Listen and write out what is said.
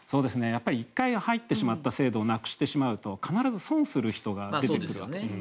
一回入ってしまった制度をなくしてしまうと必ず損をする人が出てくるんですね。